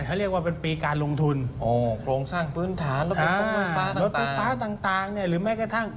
เขาเรียกว่าเป็นปีการลงทุนโครงสร้างพื้นฐานรถไฟฟ้าต่างหรือแม้กระทั่ง